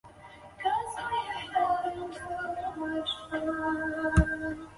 由好友邵志纯为其晚年摹划生计。